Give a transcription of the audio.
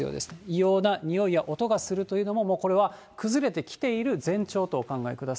異様な臭いや音がするというのも崩れてきている前兆とお考えくだ